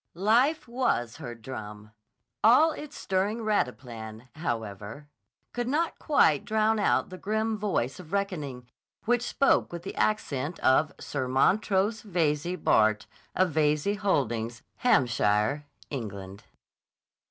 Life was her drum. All its stirring rataplan, however, could not quite drown out the grim voice of reckoning, which spoke with the accent of Sir Montrose Veyze, Bart., of Veyze Holdings, Hampshire, England.